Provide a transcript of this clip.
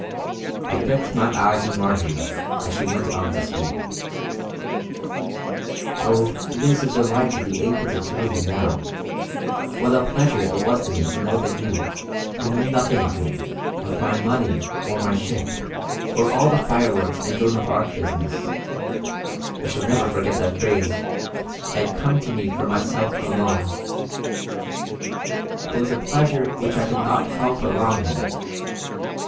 I kept my eyes on Marjory as she went on to speak: "Oh, it is a delight to be able to tell you now what a pleasure it was to me to know that you, who knew nothing of me, of my money, or my ship, or all the fireworks and Joan of Arc business I shall never forget that phrase had come to me for myself alone. It was a pleasure which I could not help prolonging.